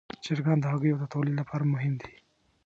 چرګان د هګیو د تولید لپاره مهم دي.